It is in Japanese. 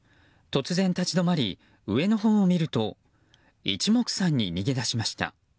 突然立ち止まり上のほうを見ると一目散に逃げ出しました。